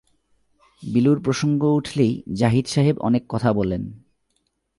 বিলুর প্রসঙ্গ উঠলেই জাহিদ সাহেব অনেক কথা বলেন।